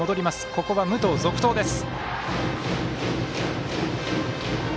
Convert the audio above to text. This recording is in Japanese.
ここは武藤、続投です。